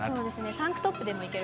タンクトップでもいける？